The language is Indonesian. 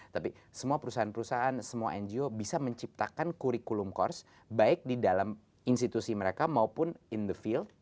tapi semua perusahaan perusahaan semua ngo bisa menciptakan kurikulum kors baik di dalam institusi mereka maupun in the field